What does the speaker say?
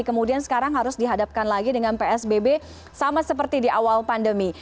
kemudian sekarang harus dihadapkan lagi dengan psbb sama seperti di awal pandemi